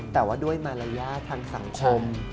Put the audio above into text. แต่ว่าด้วยมารยาททางสังคม